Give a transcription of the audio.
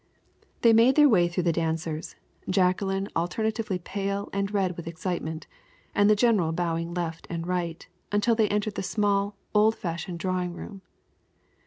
They made their way through the dancers, Jacqueline alternately pale and red with excitement, and the general bowing right and left, until they entered the small, old fashioned drawing room.